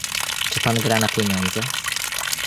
"„Czy pan gra na pieniądze?"